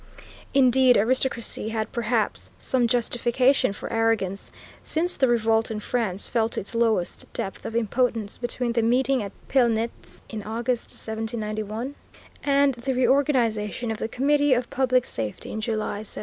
Indeed, aristocracy had, perhaps, some justification for arrogance, since the revolt in France fell to its lowest depth of impotence between the meeting at Pilnitz in August, 1791, and the reorganization of the Committee of Public Safety in July, 1793.